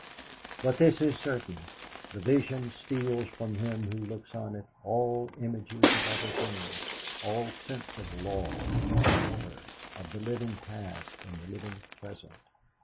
But this is certain the vision steals from him who looks on it all images of other things, all sense of law, of order, of the living past, and the living present.